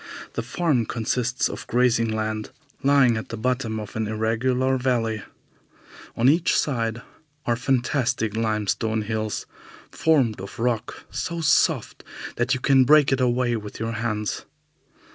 The farm consists of grazing land lying at the bottom of an irregular valley. On each side are the fantastic limestone hills, formed of rock so soft that you can break it away with your hands.